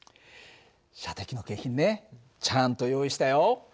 射的の景品ねちゃんと用意したよ。